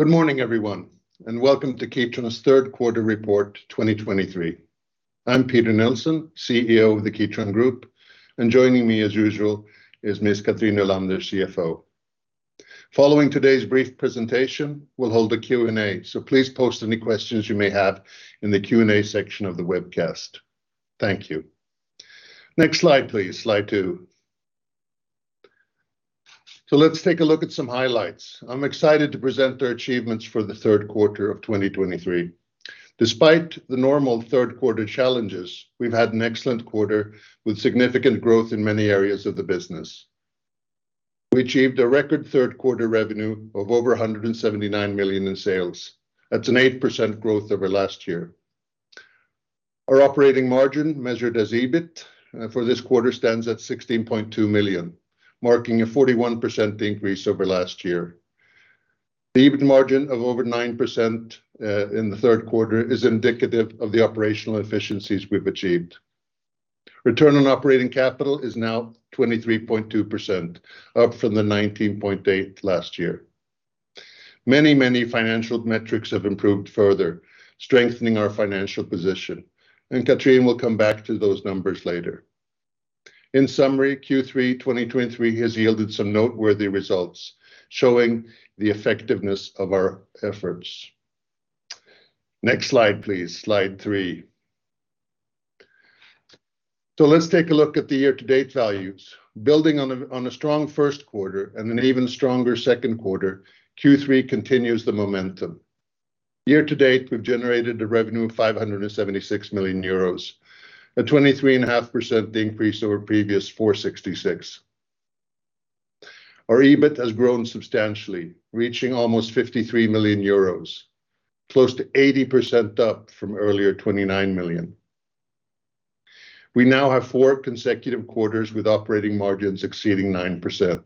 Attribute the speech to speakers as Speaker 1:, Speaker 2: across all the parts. Speaker 1: Good morning, everyone, and welcome to Kitron's Q3 report, 2023. I'm Peter Nilsson, CEO of the Kitron Group, and joining me, as usual, is Ms. Cathrin Nylander, CFO. Following today's brief presentation, we'll hold a Q&A, so please post any questions you may have in the Q&A section of the webcast. Thank you. Next slide, please. Slide 2. So let's take a look at some highlights. I'm excited to present our achievements for the Q3 of 2023. Despite the normal Q3 challenges, we've had an excellent quarter with significant growth in many areas of the business. We achieved a record Q3 revenue of over 179 million in sales. That's an 8% growth over last year. Our operating margin, measured as EBIT for this quarter, stands at 16.2 million, marking a 41% increase over last year. The EBIT margin of over 9%, in the Q3 is indicative of the operational efficiencies we've achieved. Return on operating capital is now 23.2%, up from the 19.8% last year. Many, many financial metrics have improved further, strengthening our financial position, and Cathrin will come back to those numbers later. In summary, Q3 2023 has yielded some noteworthy results, showing the effectiveness of our efforts. Next slide, please. Slide 3. So let's take a look at the year-to-date values. Building on a strong Q1 and an even stronger Q2, Q3 continues the momentum. Year to date, we've generated a revenue of 576 million euros, a 23.5% increase over previous 466. Our EBIT has grown substantially, reaching almost 53 million euros, close to 80% up from earlier 29 million. We now have 4 consecutive quarters with operating margins exceeding 9%.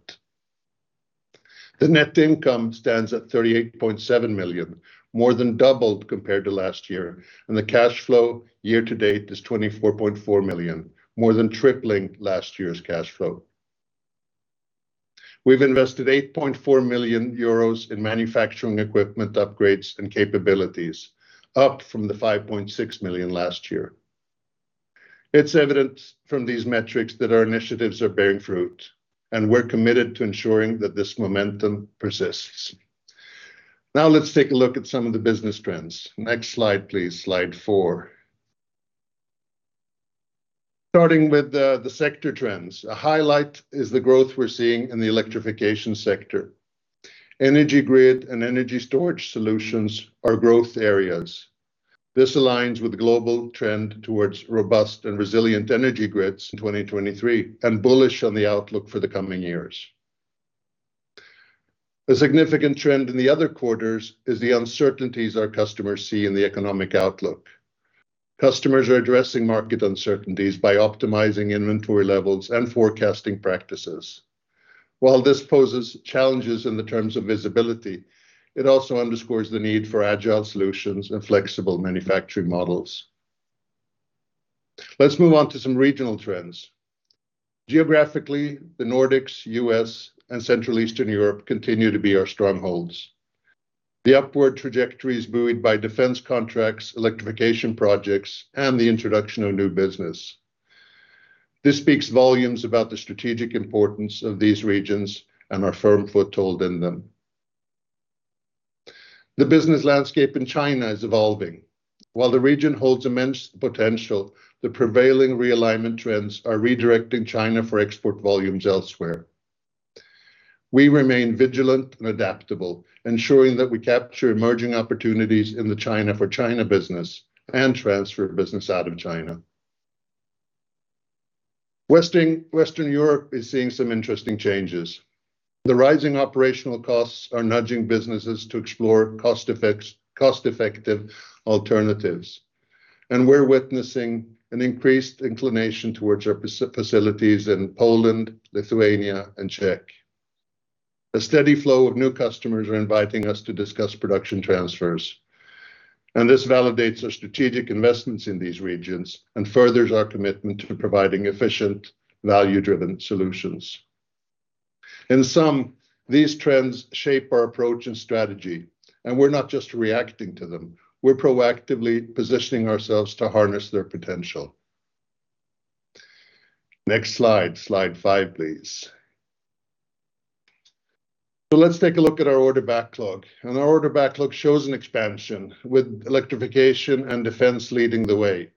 Speaker 1: The net income stands at 38.7 million, more than doubled compared to last year, and the cash flow year to date is 24.4 million, more than tripling last year's cash flow. We've invested 8.4 million euros in manufacturing equipment upgrades and capabilities, up from the 5.6 million last year. It's evident from these metrics that our initiatives are bearing fruit, and we're committed to ensuring that this momentum persists. Now let's take a look at some of the business trends. Next slide, please, Slide 4. Starting with the sector trends, a highlight is the growth we're seeing in the electrification sector. Energy grid and energy storage solutions are growth areas. This aligns with the global trend towards robust and resilient energy grids in 2023 and bullish on the outlook for the coming years. A significant trend in the other quarters is the uncertainties our customers see in the economic outlook. Customers are addressing market uncertainties by optimizing inventory levels and forecasting practices. While this poses challenges in the terms of visibility, it also underscores the need for agile solutions and flexible manufacturing models. Let's move on to some regional trends. Geographically, the Nordics, U.S., and Central Eastern Europe continue to be our strongholds. The upward trajectory is buoyed by defense contracts, electrification projects, and the introduction of new business. This speaks volumes about the strategic importance of these regions and our firm foothold in them. The business landscape in China is evolving. While the region holds immense potential, the prevailing realignment trends are redirecting China for export volumes elsewhere. We remain vigilant and adaptable, ensuring that we capture emerging opportunities in the China-for-China business and transfer business out of China. Western Europe is seeing some interesting changes. The rising operational costs are nudging businesses to explore cost-effective alternatives, and we're witnessing an increased inclination towards our facilities in Poland, Lithuania, and Czech. A steady flow of new customers are inviting us to discuss production transfers, and this validates our strategic investments in these regions and furthers our commitment to providing efficient, value-driven solutions. In sum, these trends shape our approach and strategy, and we're not just reacting to them, we're proactively positioning ourselves to harness their potential. Next slide, Slide 5, please. So let's take a look at our order backlog, and our order backlog shows an expansion, with electrification and defense leading the way.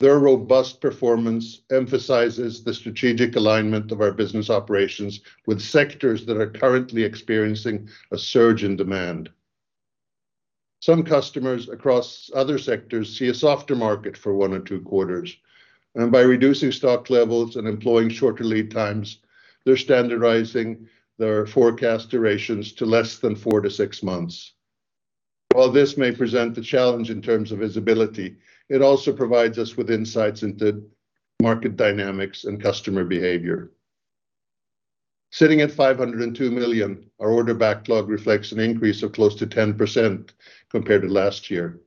Speaker 1: Their robust performance emphasizes the strategic alignment of our business operations with sectors that are currently experiencing a surge in demand. Some customers across other sectors see a softer market for one or two quarters, and by reducing stock levels and employing shorter lead times, they're standardizing their forecast durations to less than four to six months. While this may present a challenge in terms of visibility, it also provides us with insights into market dynamics and customer behavior. Sitting at 502 million, our order backlog reflects an increase of close to 10% compared to last year.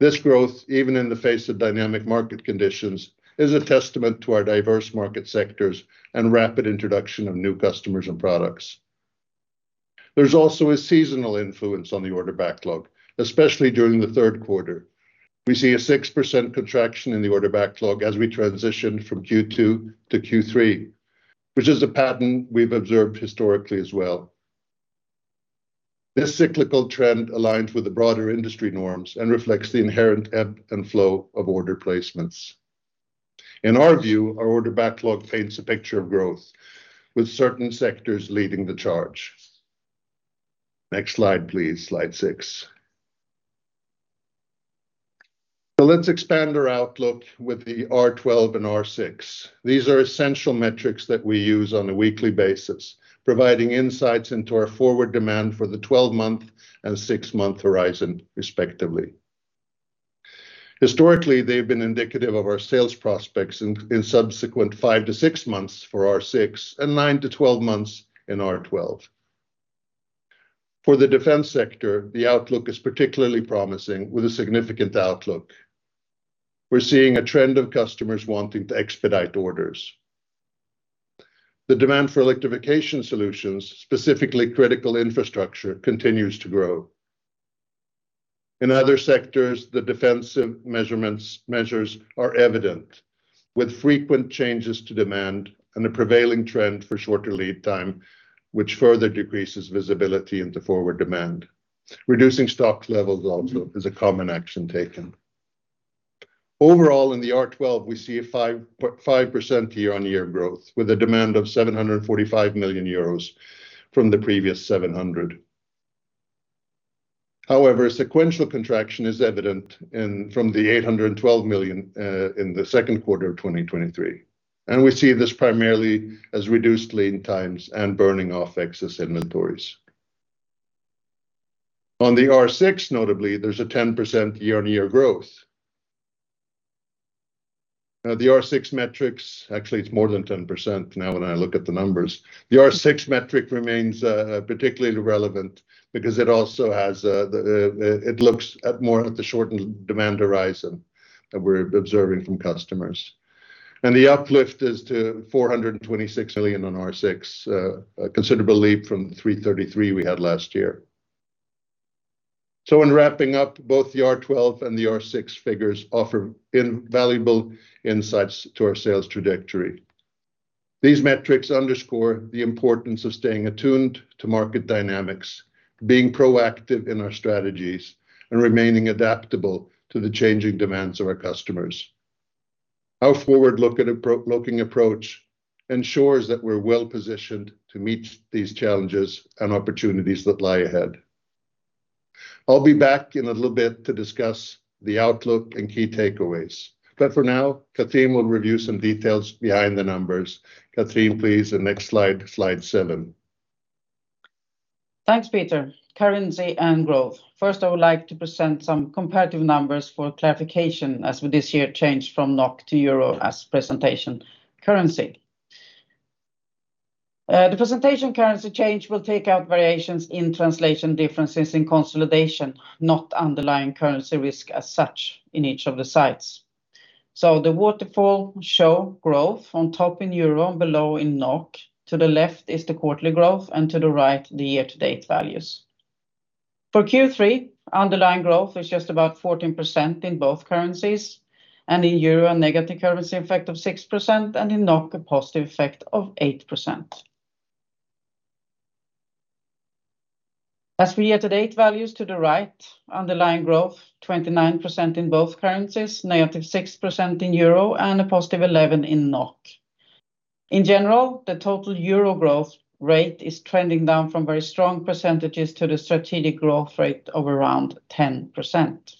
Speaker 1: This growth, even in the face of dynamic market conditions, is a testament to our diverse market sectors and rapid introduction of new customers and products. There's also a seasonal influence on the order backlog, especially during the Q3. We see a 6% contraction in the order backlog as we transition from Q2 to Q3, which is a pattern we've observed historically as well. This cyclical trend aligns with the broader industry norms and reflects the inherent ebb and flow of order placements. In our view, our order backlog paints a picture of growth, with certain sectors leading the charge. Next slide, please, Slide 6. So let's expand our outlook with the R12 and R6. These are essential metrics that we use on a weekly basis, providing insights into our forward demand for the 12-month and 6-month horizon, respectively. Historically, they've been indicative of our sales prospects in subsequent 5-6 months for R6 and 9-12 months in R12. For the defense sector, the outlook is particularly promising with a significant outlook. We're seeing a trend of customers wanting to expedite orders. The demand for electrification solutions, specifically critical infrastructure, continues to grow. In other sectors, the defensive measures are evident, with frequent changes to demand and a prevailing trend for shorter lead time, which further decreases visibility into forward demand. Reducing stock levels also is a common action taken. Overall, in the R12, we see a 5.5% year-on-year growth, with a demand of 745 million euros from the previous 700. However, sequential contraction is evident, from the 812 million in the Q2 of 2023, and we see this primarily as reduced lead times and burning off excess inventories. On the R6, notably, there's a 10% year-on-year growth. The R6 metrics... Actually, it's more than 10% now, when I look at the numbers. The R6 metric remains particularly relevant because it also has the it looks at more at the shortened demand horizon that we're observing from customers. And the uplift is to 426 million on R6, a considerable leap from 333 million we had last year. So in wrapping up, both the R12 and the R6 figures offer invaluable insights to our sales trajectory. These metrics underscore the importance of staying attuned to market dynamics, being proactive in our strategies, and remaining adaptable to the changing demands of our customers. Our forward-looking approach ensures that we're well-positioned to meet these challenges and opportunities that lie ahead. I'll be back in a little bit to discuss the outlook and key takeaways, but for now, Cathrin will review some details behind the numbers. Cathrin, please, the next slide, Slide 7.
Speaker 2: Thanks, Peter. Currency and growth. First, I would like to present some comparative numbers for clarification, as we this year changed from NOK to euro as presentation currency. The presentation currency change will take out variations in translation differences in consolidation, not underlying currency risk as such in each of the sites. So the waterfall show growth on top in euro, below in NOK. To the left is the quarterly growth, and to the right, the year-to-date values. For Q3, underlying growth is just about 14% in both currencies, and in euro, a negative currency effect of 6%, and in NOK, a positive effect of 8%. As for year-to-date values to the right, underlying growth, 29% in both currencies, negative 6% in euro, and a positive 11% in NOK. In general, the total euro growth rate is trending down from very strong percentages to the strategic growth rate of around 10%.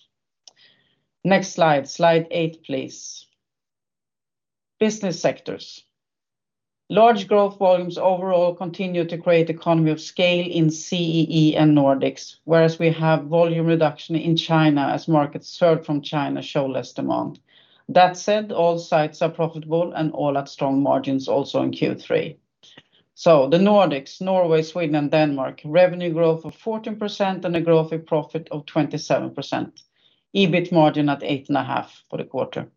Speaker 2: Next slide, Slide 8, please. Business sectors. Large growth volumes overall continue to create economies of scale in CEE and Nordics, whereas we have volume reduction in China, as markets served from China show less demand. That said, all sites are profitable and all at strong margins also in Q3. So the Nordics, Norway, Sweden, and Denmark, revenue growth of 14% and a growth in profit of 27%, EBIT margin at 8.5% for the quarter.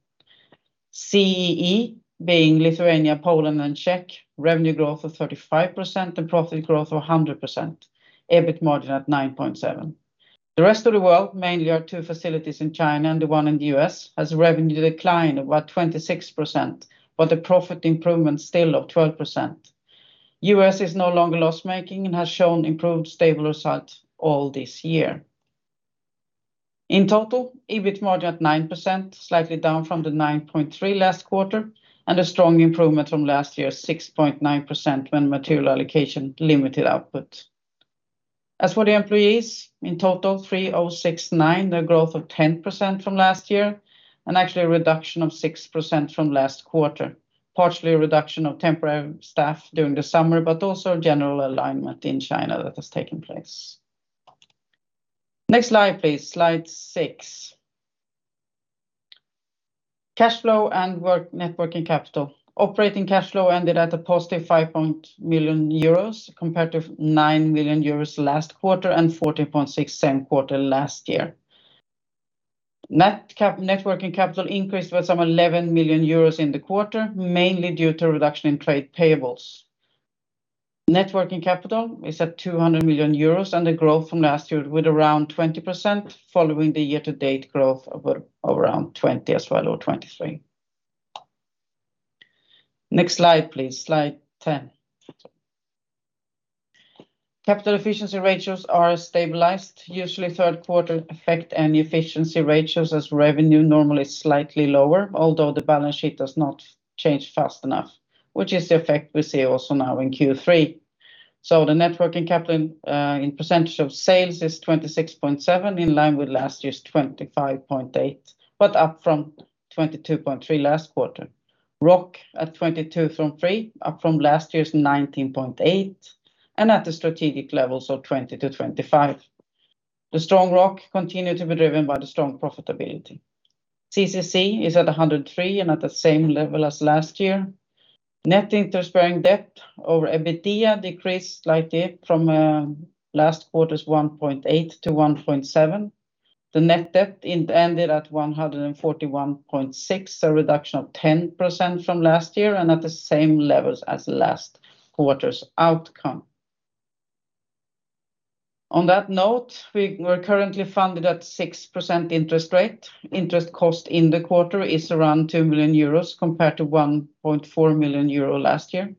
Speaker 2: CEE, being Lithuania, Poland, and Czech, revenue growth of 35% and profit growth of 100%, EBIT margin at 9.7%. The rest of the world, mainly our two facilities in China and the one in the U.S., has a revenue decline of about 26%, but a profit improvement still of 12%. U.S. is no longer loss-making and has shown improved, stable results all this year. In total, EBIT margin at 9%, slightly down from the 9.3% last quarter, and a strong improvement from last year's 6.9%, when material allocation limited output. As for the employees, in total, 3,069, the growth of 10% from last year, and actually a reduction of 6% from last quarter. Partially a reduction of temporary staff during the summer, but also a general alignment in China that has taken place. Next slide, please, Slide 6. Cash flow and Net Working Capital. Operating cash flow ended at a positive 5 million euros, compared to 9 million euros last quarter, and 14.6 million same quarter last year. Net working capital increased by some 11 million euros in the quarter, mainly due to reduction in trade payables. Net working capital is at 200 million euros, and a growth from last year with around 20%, following the year-to-date growth of around 20 as well, or 23. Next slide, please. Slide 10. Capital efficiency ratios are stabilized. Usually, Q3 affect any efficiency ratios, as revenue normally is slightly lower, although the balance sheet does not change fast enough, which is the effect we see also now in Q3. So the net working capital in percentage of sales is 26.7%, in line with last year's 25.8%, but up from 22.3% last quarter. ROOC at 22.3, up from last year's 19.8, and at the strategic levels of 20-25. The strong ROOC continue to be driven by the strong profitability. CCC is at 103, and at the same level as last year. Net interest-bearing debt over EBITDA decreased slightly from last quarter's 1.8 to 1.7. The net debt ended at 141.6, a reduction of 10% from last year, and at the same levels as last quarter's outcome. On that note, we're currently funded at 6% interest rate. Interest cost in the quarter is around 2 million euros, compared to 1.4 million euro last year.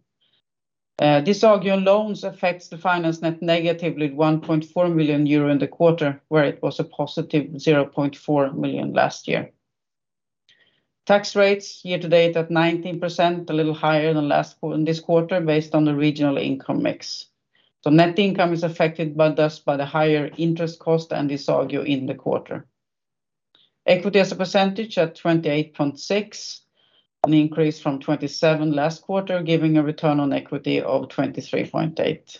Speaker 2: Revaluation loans affects the finance net negatively, 1.4 million euro in the quarter, where it was a positive 0.4 million last year. Tax rates year to date at 19%, a little higher than last quarter in this quarter, based on the regional income mix. So net income is affected by thus, by the higher interest cost and revaluation in the quarter. Equity as a percentage at 28.6%, an increase from 27 last quarter, giving a return on equity of 23.8%.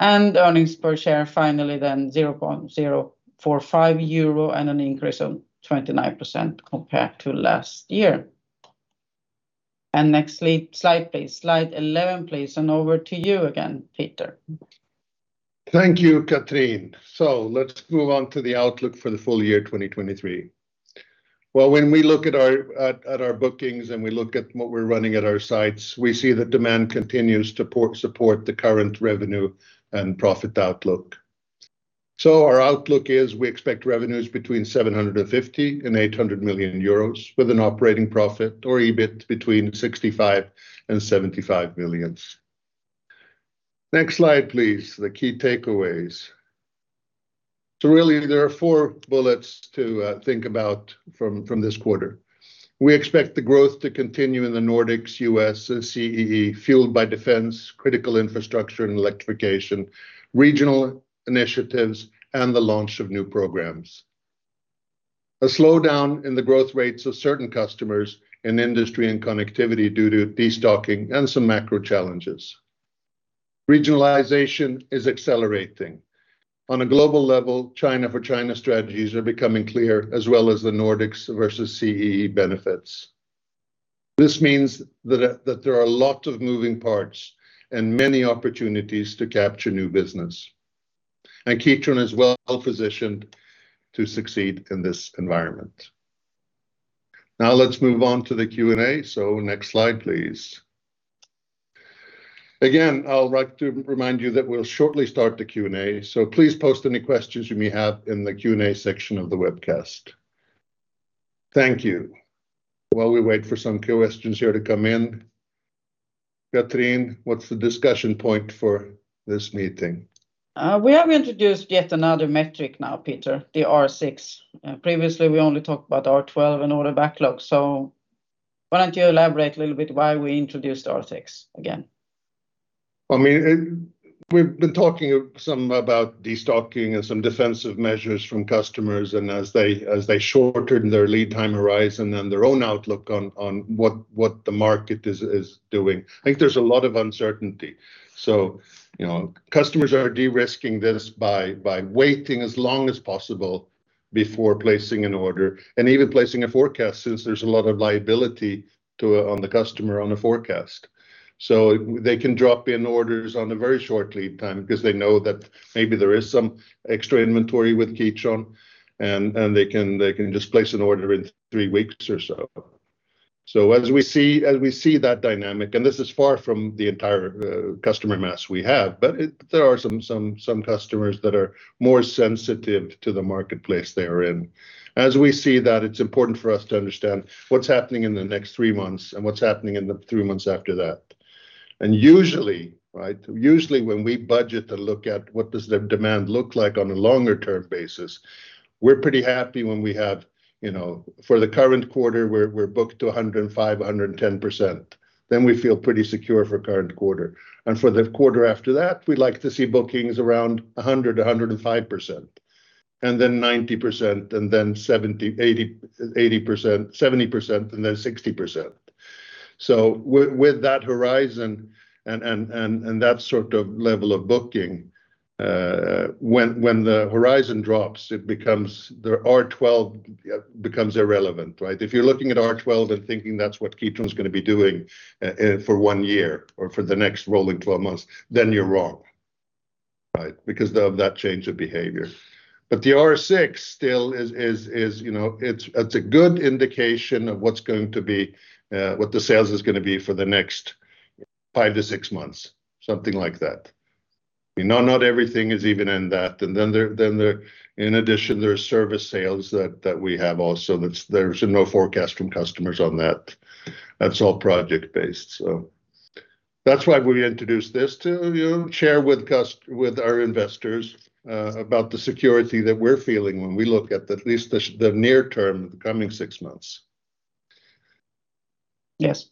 Speaker 2: And earnings per share, finally, then 0.045 euro, and an increase of 29% compared to last year. And next slide, please. Slide 11, please, and over to you again, Peter.
Speaker 1: Thank you, Cathrin. So let's move on to the outlook for the full year, 2023. Well, when we look at our, at our bookings, and we look at what we're running at our sites, we see that demand continues to support the current revenue and profit outlook. So our outlook is: we expect revenues between 750 million and 800 million euros, with an operating profit or EBIT between 65 and 75 million. Next slide, please. The key takeaways. So really, there are four bullets to think about from this quarter. We expect the growth to continue in the Nordics, U.S., and CEE, fueled by defense, critical infrastructure and electrification, regional initiatives, and the launch of new programs. A slowdown in the growth rates of certain customers in industry and connectivity due to destocking and some macro challenges. Regionalization is accelerating. On a global level, China-for-China strategies are becoming clear, as well as the Nordics versus CEE benefits. This means that there are a lot of moving parts and many opportunities to capture new business, and Kitron is well positioned to succeed in this environment. Now, let's move on to the Q&A. So next slide, please. Again, I'd like to remind you that we'll shortly start the Q&A, so please post any questions you may have in the Q&A section of the webcast. Thank you. While we wait for some questions here to come in, Cathrin, what's the discussion point for this meeting?
Speaker 2: We have introduced yet another metric now, Peter, the R6. Previously, we only talked about R12 and order backlog, so why don't you elaborate a little bit why we introduced R6 again?
Speaker 1: I mean, we've been talking some about destocking and some defensive measures from customers, and as they shortened their lead time horizon and their own outlook on what the market is doing, I think there's a lot of uncertainty. So, you know, customers are de-risking this by waiting as long as possible before placing an order, and even placing a forecast, since there's a lot of liability to on the customer on the forecast. So they can drop in orders on a very short lead time because they know that maybe there is some extra inventory with Kitron, and they can just place an order in three weeks or so. So as we see that dynamic, and this is far from the entire customer mass we have, but there are some customers that are more sensitive to the marketplace they are in. As we see that, it's important for us to understand what's happening in the next three months and what's happening in the three months after that. And usually, right, usually, when we budget to look at what does the demand look like on a longer-term basis, we're pretty happy when we have, you know. For the current quarter, we're booked to 105%-110%, then we feel pretty secure for current quarter. For the quarter after that, we'd like to see bookings around 100, 105%, and then 90%, and then 70, 80, 80%, 70%, and then 60%. So, with that horizon and that sort of level of booking, when the horizon drops, it becomes the R12, becomes irrelevant, right? If you're looking at R12 and thinking that's what Kitron's gonna be doing, for one year or for the next rolling twelve months, then you're wrong, right? Because of that change of behavior. But the R6 still is, you know, it's a good indication of what's going to be, what the sales is gonna be for the next 5 to 6 months, something like that. You know, not everything is even in that, and then there, in addition, there are service sales that we have also. That's, there's no forecast from customers on that. That's all project based. So that's why we introduced this to you, share with our investors, about the security that we're feeling when we look at least the near term, the coming 6 months.
Speaker 2: Yes.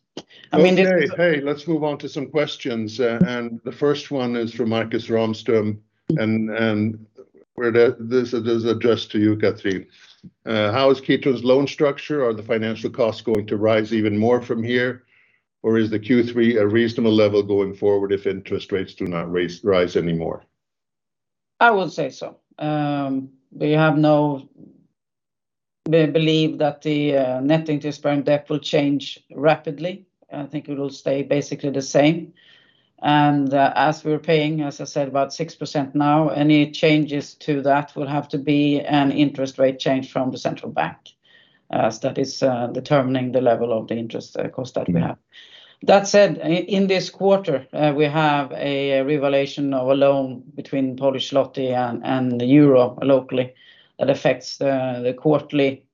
Speaker 2: I mean-
Speaker 1: Okay, hey, let's move on to some questions, and the first one is from Marcus Ramström, and this is addressed to you, Cathrin. "How is Kitron's loan structure? Are the financial costs going to rise even more from here, or is the Q3 a reasonable level going forward if interest rates do not rise anymore?
Speaker 2: I would say so. We believe that the net interest-bearing debt will change rapidly. I think it will stay basically the same. As we're paying, as I said, about 6% now, any changes to that will have to be an interest rate change from the central bank, as that is determining the level of the interest cost that we have. That said, in this quarter, we have a revaluation of a loan between Polish zloty and the euro locally that affects the quarterly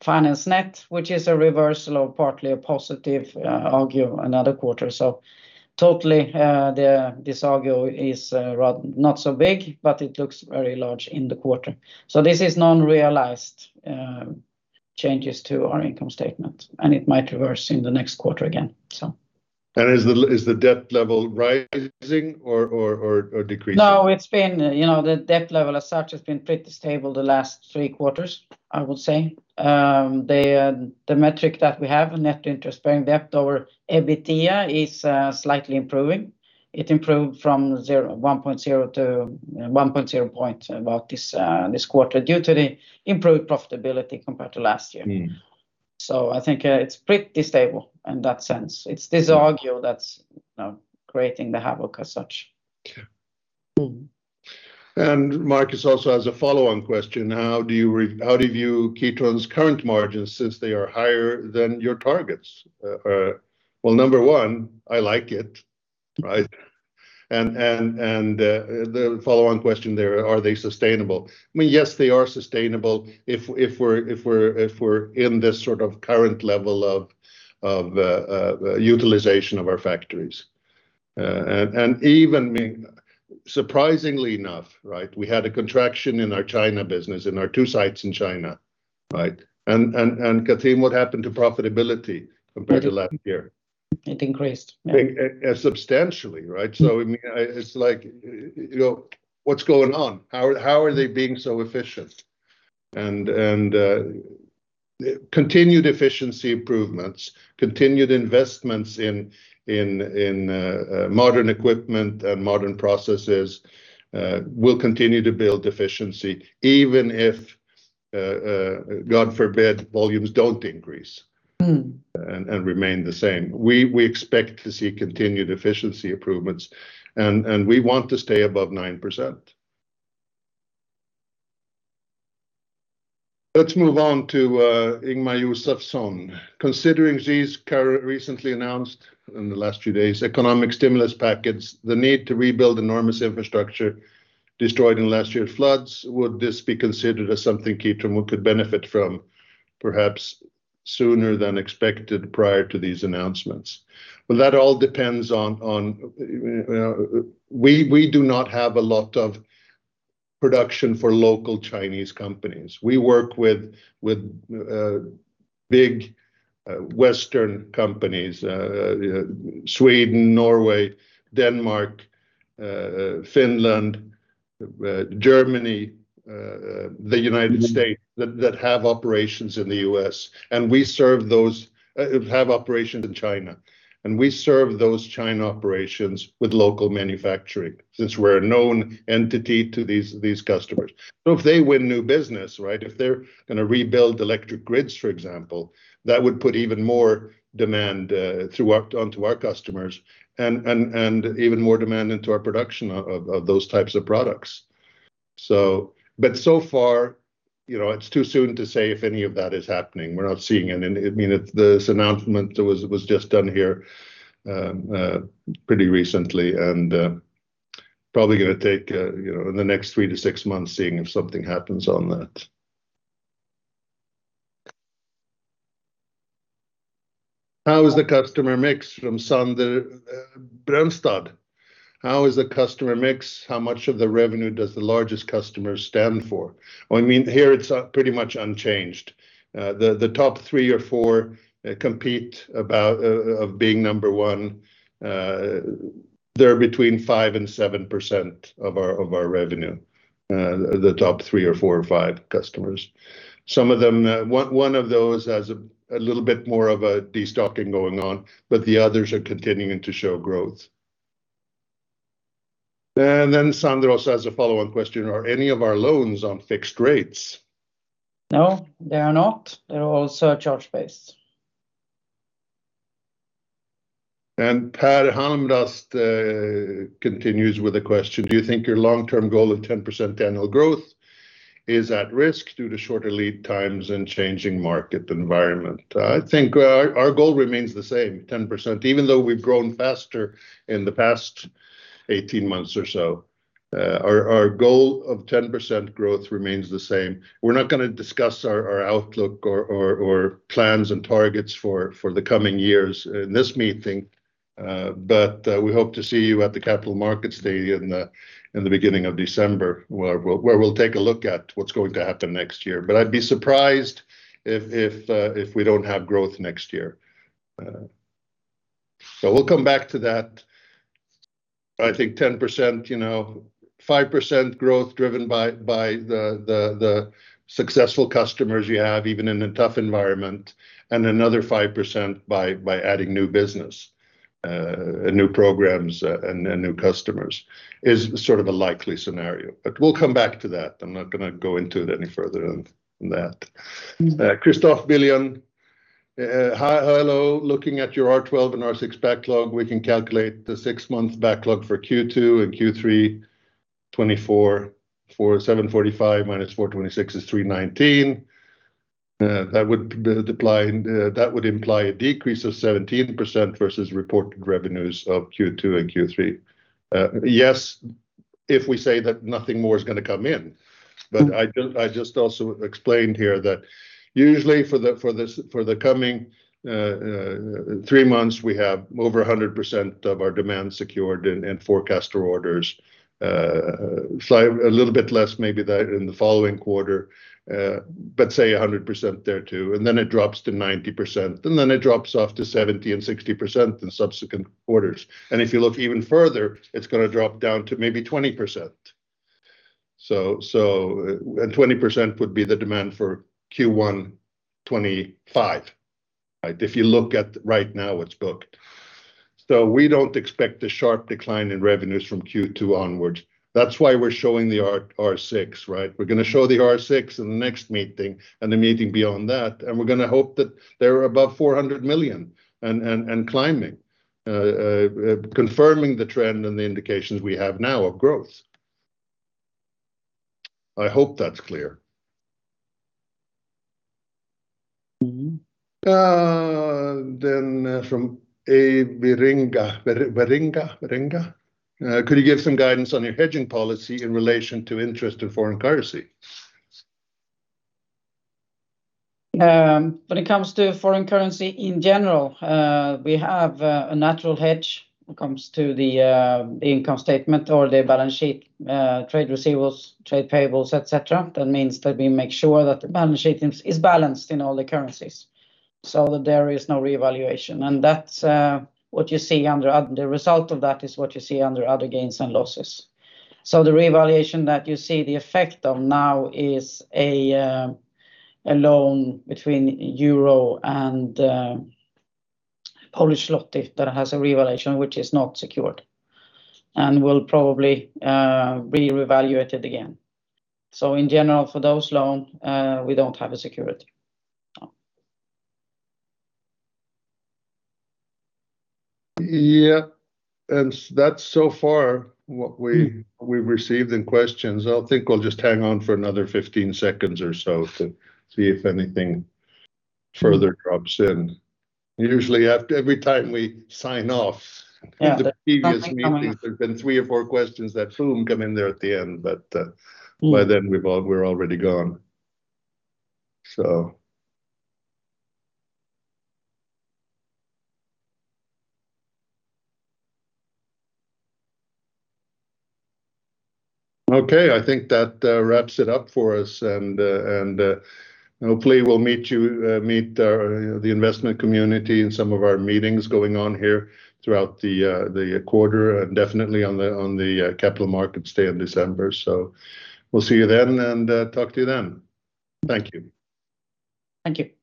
Speaker 2: finance net, which is a reversal of partly a positive charge another quarter. Totally, this charge is not so big, but it looks very large in the quarter. This is unrealized changes to our income statement, and it might reverse in the next quarter again.
Speaker 1: Is the debt level rising or decreasing?
Speaker 2: No, it's been, you know, the debt level as such has been pretty stable the last three quarters, I would say. The metric that we have, net interest-bearing debt over EBITDA, is slightly improving. It improved from 0.1 to 1.0 point about this quarter, due to the improved profitability compared to last year.
Speaker 1: Mm.
Speaker 2: So I think, it's pretty stable in that sense. It's this euro that's creating the havoc as such.
Speaker 1: Okay. And Marcus also has a follow-on question: "How do you view Kitron's current margins since they are higher than your targets?" Well, number one, I like it, right? And the follow-on question there: "Are they sustainable?" I mean, yes, they are sustainable if we're in this sort of current level of utilization of our factories. And even surprisingly enough, right, we had a contraction in our China business, in our two sites in China, right? And Cathrin, what happened to profitability compared to last year?
Speaker 2: It increased.
Speaker 1: I think, substantially, right? So, I mean, it's like, you know, what's going on? How are they being so efficient? Continued efficiency improvements, continued investments in modern equipment and modern processes, will continue to build efficiency even if, God forbid, volumes don't increase-
Speaker 2: Mm...
Speaker 1: and remain the same. We expect to see continued efficiency improvements, and we want to stay above 9%. Let's move on to Ingemar Josefsson. "Considering these recently announced, in the last few days, economic stimulus packages, the need to rebuild enormous infrastructure destroyed in last year's floods, would this be considered as something Kitron could benefit from, perhaps sooner than expected prior to these announcements?" Well, that all depends on... We do not have a lot of production for local Chinese companies. We work with big Western companies, Sweden, Norway, Denmark, Finland, Germany, the United States, that have operations in the U.S., and we serve those that have operations in China, and we serve those China operations with local manufacturing since we're a known entity to these customers. So if they win new business, right, if they're gonna rebuild electric grids, for example, that would put even more demand through our onto our customers and even more demand into our production of those types of products. So, but so far, you know, it's too soon to say if any of that is happening. We're not seeing it, and, I mean, this announcement was just done here pretty recently, and probably gonna take, you know, in the next 3-6 months, seeing if something happens on that. "How is the customer mix?" from Sander Brunstad. "How is the customer mix? How much of the revenue does the largest customer stand for?" Well, I mean, here it's pretty much unchanged. The top 3 or 4 compete about of being number one. They're between 5% and 7% of our revenue, the top three or four or five customers. Some of them, one of those has a little bit more of a destocking going on, but the others are continuing to show growth. Then Sander also has a follow-on question: "Are any of our loans on fixed rates?
Speaker 2: No, they are not. They're all surcharge-based.
Speaker 1: Per Holmdahl continues with a question: "Do you think your long-term goal of 10% annual growth is at risk due to shorter lead times and changing market environment?" I think our goal remains the same, 10%. Even though we've grown faster in the past 18 months or so, our goal of 10% growth remains the same. We're not gonna discuss our outlook or plans and targets for the coming years in this meeting, but we hope to see you at the Capital Markets Day in the beginning of December, where we'll take a look at what's going to happen next year. But I'd be surprised if we don't have growth next year. So we'll come back to that. I think 10%, you know, 5% growth driven by the successful customers you have, even in a tough environment, and another 5% by adding new business and new programs and new customers, is sort of a likely scenario. But we'll come back to that. I'm not gonna go into it any further than that. Christoffer Bjørnsen, "Hi. Hello. Looking at your R12 and R6 backlog, we can calculate the six-month backlog for Q2 and Q3 2024 for 745 minus 426 is 319. That would apply. That would imply a decrease of 17% versus reported revenues of Q2 and Q3." Yes, if we say that nothing more is gonna come in.
Speaker 2: Mm.
Speaker 1: But I just, I just also explained here that usually for the, for this, for the coming, three months, we have over 100% of our demand secured and, and forecast for orders. So a little bit less maybe than in the following quarter, but say 100% there, too, and then it drops to 90%, and then it drops off to 70% and 60% in subsequent quarters. And if you look even further, it's gonna drop down to maybe 20%. So, so... And 20% would be the demand for Q1 2025, right? If you look at right now what's booked. So we don't expect a sharp decline in revenues from Q2 onwards. That's why we're showing the R, R6, right? We're gonna show the R6 in the next meeting and the meeting beyond that, and we're gonna hope that they're above 400 million and climbing, confirming the trend and the indications we have now of growth. I hope that's clear.
Speaker 2: Mm-hmm.
Speaker 1: Then, from A. Wieringa, Wieringa, Wieringa: "Could you give some guidance on your hedging policy in relation to interest in foreign currency?
Speaker 2: When it comes to foreign currency in general, we have a natural hedge when it comes to the income statement or the balance sheet, trade receivables, trade payables, et cetera. That means that we make sure that the balance sheet is balanced in all the currencies, so that there is no revaluation. And that's what you see under... The result of that is what you see under other gains and losses. So the revaluation that you see the effect of now is a loan between euro and Polish zloty that has a revaluation which is not secured and will probably be reevaluated again. So in general, for those loan, we don't have a security. No.
Speaker 1: Yeah, and that's so far what we-
Speaker 2: Mm...
Speaker 1: we've received in questions. I think we'll just hang on for another 15 seconds or so to see if anything further drops in. Usually, after every time we sign off-
Speaker 2: Yeah...
Speaker 1: the previous meetings, there's been three or four questions that boom, come in there at the end, but,
Speaker 2: Mm
Speaker 1: By then, we've all, we're already gone. So... Okay, I think that wraps it up for us, and hopefully we'll meet the investment community in some of our meetings going on here throughout the quarter, and definitely on the Capital Markets Day in December. So we'll see you then and talk to you then. Thank you.
Speaker 2: Thank you.